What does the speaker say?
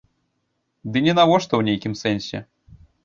Ды нінавошта ў нейкім сэнсе.